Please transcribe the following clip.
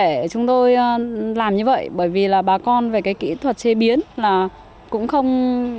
để chúng tôi làm như vậy bởi vì là bà con về cái kỹ thuật chế biến là cũng không